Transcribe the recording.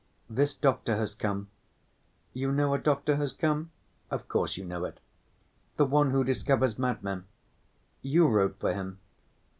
This doctor has come. You know a doctor has come? Of course, you know it—the one who discovers madmen. You wrote for him.